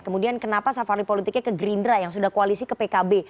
kemudian kenapa safari politiknya ke gerindra yang sudah koalisi ke pkb